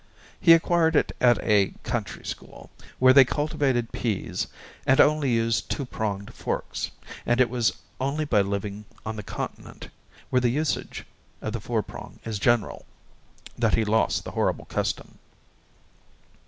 He acquired it at a country school, where they cultivated peas and only used two pronged forks, and it was only by living on the Continent where the usage of the four prong is general, that he lost the horrible custom.